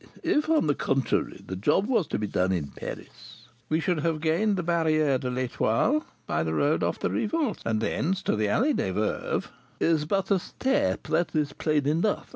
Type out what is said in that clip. If, on the contrary, the job was to be done in Paris?" "We should have gained the Barrier de l'Étoile by the road of the Rivolte, and thence to the Allée des Veuves " "Is but a step; that is plain enough.